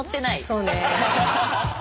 そうね。